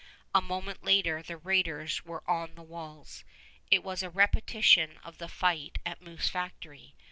A moment later, and the raiders were on the walls. It was a repetition of the fight at Moose Factory.